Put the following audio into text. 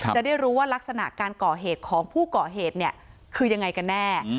จะได้รู้ว่ารักษณะการก่อเหตุของผู้ก่อเหตุเนี่ยคือยังไงกันแน่